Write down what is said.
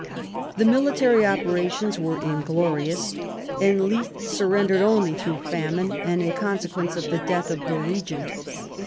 The military operations were inglorious, and Leith surrendered only through famine and in consequence of the death of the Regent.